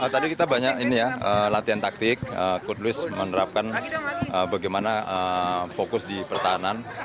tadi kita banyak latihan taktik kutlis menerapkan bagaimana fokus di pertahanan